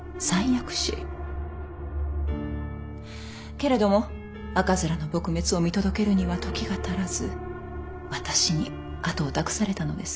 けれども赤面の撲滅を見届けるには時が足らず私に後を託されたのです。